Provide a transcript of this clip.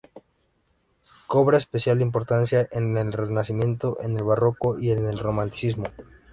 Cobra especial importancia en el Renacimiento, en el Barroco y en el Romanticismo.